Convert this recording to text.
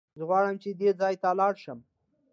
زه غواړم چې دې ځای ته لاړ شم.